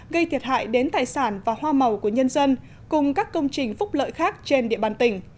gây thiệt hại đến tài sản và hoa màu của nhân dân cùng các công trình phúc lợi khác trên địa bàn tỉnh